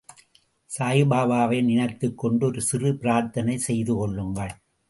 சாயிபாபாவை நினைத்துக் கொண்டு ஒரு சிறு பிராத்தனை செய்து கொள்ளுங்கள்.